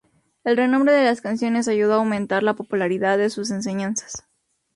El renombre de las canciones ayudó a aumentar la popularidad de sus enseñanzas.